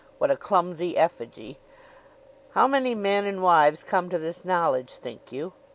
what a clumsy effigy! How many men and wives come to this knowledge, think you?